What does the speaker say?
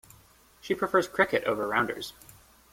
She prefers cricket over rounders.